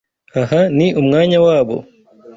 Aha ni umwanya wabo.